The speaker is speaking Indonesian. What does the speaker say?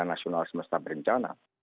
mengenai nasional semesta berencana